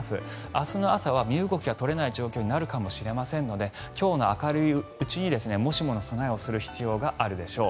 明日の朝は身動きが取れない状況になるかもしれませんので今日の明るいうちにもしもの備えをする必要があるでしょう。